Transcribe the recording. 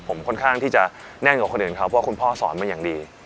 ผมค่อนข้างที่จะแน่นกว่าคนอื่นเขาเพราะคุณพ่อสอนมาอย่างดี